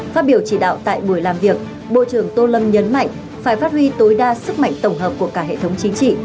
phát biểu chỉ đạo tại buổi làm việc bộ trưởng tô lâm nhấn mạnh phải phát huy tối đa sức mạnh tổng hợp của cả hệ thống chính trị